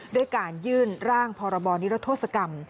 ด้วยการยื่นร่างพรบนิรโทษกรรม